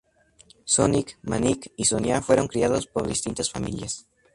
Sonic, Manic y Sonia fueron criados por distintas familias.